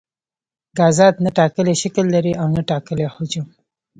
ګازات نه ټاکلی شکل لري او نه ټاکلی حجم.